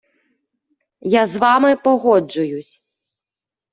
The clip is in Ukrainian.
Я з вами погоджуюсь.